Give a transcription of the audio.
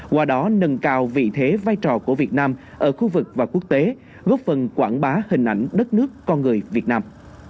qua đó nâng cao vị thế vai trò của việt nam ở khu vực và quốc tế góp phần quảng bá hình ảnh đất nước con người việt nam